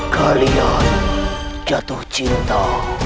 kalian jatuh cinta